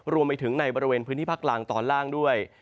รวมไปถึงในบริเวณพื้นที่ภาคล่างตอนล่างด้วย